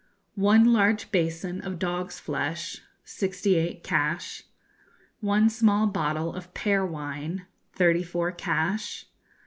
One large basin of dog's flesh sixty eight cash. One small bottle of pear wine thirty four cash.